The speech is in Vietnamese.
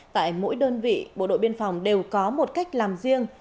tại mỗi đơn vị bộ đội biên phòng đều có một cách làm riêng